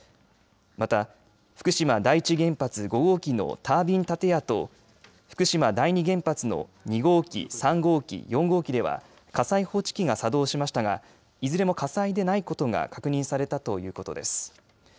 また福島第一原発５号機のタービン建屋と福島第二原発の２号機、３号機、４号機では火災報知器が作動しましたがいずれも火災でないことが確認されたということです。